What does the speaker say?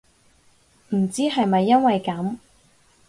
唔知係咪因為噉